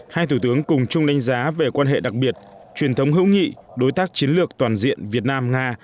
hai thủ tướng cùng chung đánh giá về quan hệ đặc biệt truyền thống hữu nghị đối tác chiến lược toàn diện việt nam nga